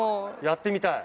やってみたい。